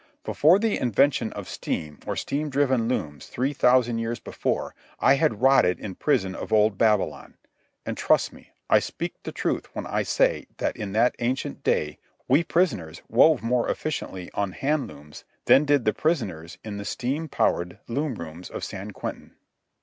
Before the invention of steam or steam driven looms three thousand years before, I had rotted in prison in old Babylon; and, trust me, I speak the truth when I say that in that ancient day we prisoners wove more efficiently on hand looms than did the prisoners in the steam powered loom rooms of San Quentin.